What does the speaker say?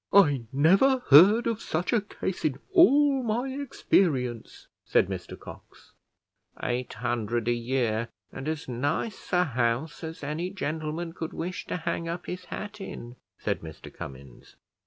"I never heard of such a case in all my experience," said Mr Cox. "Eight hundred a year, and as nice a house as any gentleman could wish to hang up his hat in," said Mr Cummins.